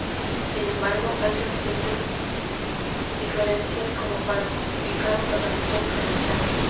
Sin embargo, hay suficientes diferencias como para justificar un tratamiento diferenciado.